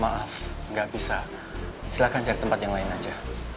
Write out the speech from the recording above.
maaf gak bisa silahkan cari tempat yang lain aja